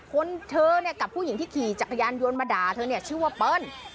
คนเธอเนี่ยกับผู้หญิงที่ขี่จักรยานยนต์มาด่าเธอเนี่ยชื่อว่าเปิ้ล